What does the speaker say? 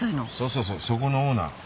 そうそうそこのオーナー。